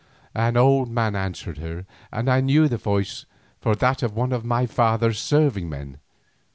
An old man answered her, and I knew the voice for that of one of my father's serving men.